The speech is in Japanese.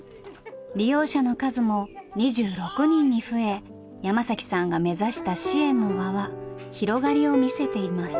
利用者の数も２６人に増え山さんが目指した支援の輪は広がりを見せています。